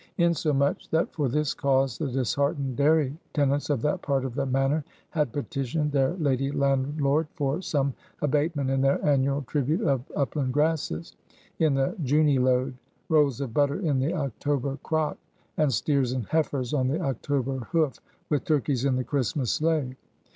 Insomuch, that for this cause, the disheartened dairy tenants of that part of the Manor, had petitioned their lady landlord for some abatement in their annual tribute of upland grasses, in the Juny load; rolls of butter in the October crock; and steers and heifers on the October hoof; with turkeys in the Christmas sleigh.